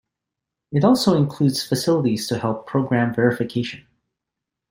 It also includes facilities to help program verification.